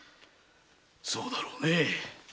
そうだろうね。